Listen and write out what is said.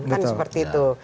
kan seperti itu